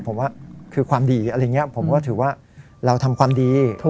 ผมว่าคือความดีอะไรอย่างนี้ผมก็ถือว่าเราทำความดี